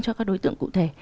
cho các đối tượng cụ thể